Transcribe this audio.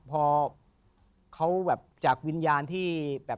พอเขาแบบจากวิญญาณที่แบบ